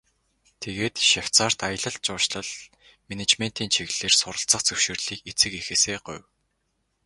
Тэгээд Швейцарьт аялал жуулчлал, менежментийн чиглэлээр суралцах зөвшөөрлийг эцэг эхээсээ гуйв.